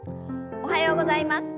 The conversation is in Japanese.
おはようございます。